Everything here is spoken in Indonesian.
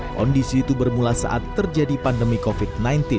kondisi itu bermula saat terjadi pandemi covid sembilan belas